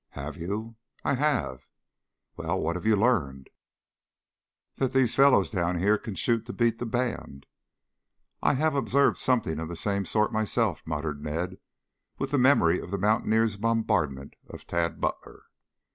"Have you?" "I have." "Well, what have you learned?" "That these fellows down here can shoot to beat the band." "I have observed something of the same sort myself," muttered Ned, with the memory of the mountaineer's bombardment of Tad Butler.